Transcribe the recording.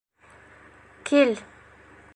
Кил.